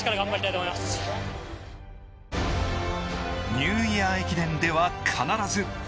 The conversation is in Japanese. ニューイヤー駅伝では必ず。